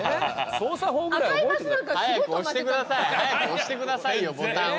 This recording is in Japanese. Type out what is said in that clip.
早く押してくださいよボタンを。